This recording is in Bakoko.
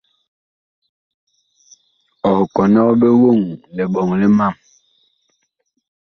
Ɔh kɔnɔg ɓe woŋ liɓɔŋ li mam.